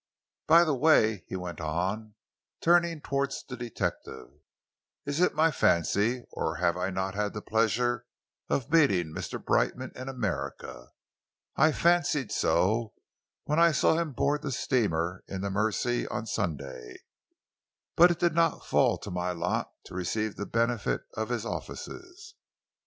By the way," he went on, turning towards the detective, "is it my fancy or have I not had the pleasure of meeting Mr. Brightman in America? I fancied so when I saw him board the steamer in the Mersey on Sunday, but it did not fall to my lot to receive the benefit of his offices."